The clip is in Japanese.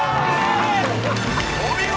お見事！